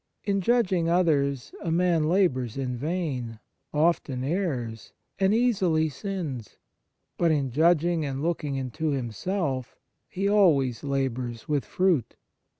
In judging others a man labours in vain, often errs, and easily sins ; but in judging and looking into himself he always labours with fruit.